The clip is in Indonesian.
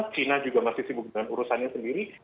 china juga masih sibuk dengan urusannya sendiri